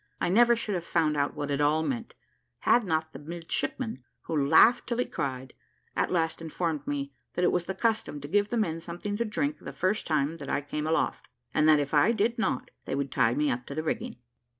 I never should have found out what it all meant, had not the midshipman, who laughed till he cried, at last informed me that it was the custom to give the men something to drink the first time that I came aloft, and that if I did not, they would tie me up to the rigging.